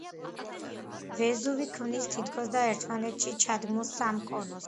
ვეზუვი ქმნის თითქოსდა ერთმანეთში ჩადგმულ სამ კონუსს.